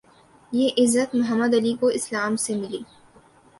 یہ عزت Muhammad Ali کو اسلام سے ملی